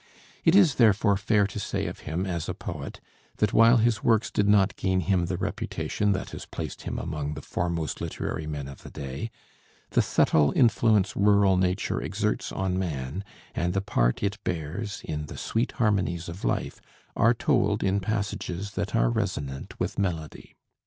It is therefore fair to say of him as a poet that while his works did not gain him the reputation that has placed him among the foremost literary men of the day, the subtle influence rural nature exerts on man, and the part it bears in the sweet harmonies of life, are told in passages that are resonant with melody.